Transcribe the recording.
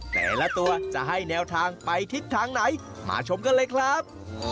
แต่ละตัวจะให้แนวทางไปทิศทางไหนมาชมกันเลยครับ